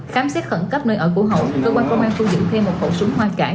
khám xét khẩn cấp nơi ở cổ hậu cơ quan công an thu dựng thêm một hậu súng hoa cải